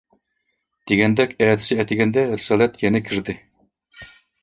دېگەندەك ئەتىسى ئەتىگەندە رىسالەت يەنە كىردى.